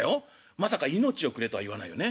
まさか命をくれとは言わないよね？